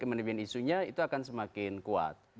dan manajemen isunya itu akan semakin kuat